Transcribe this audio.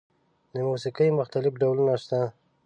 د موسیقۍ مختلف ډولونه شته.